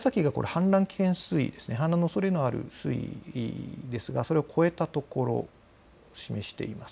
氾濫の危険のおそれのある水位ですがそれを超えたところを示しています。